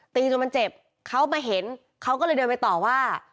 จนมันเจ็บเขามาเห็นเขาก็เลยเดินไปต่อว่า